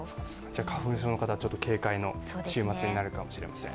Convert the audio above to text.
花粉症の方、ちょっと警戒の週末になるかもしれません。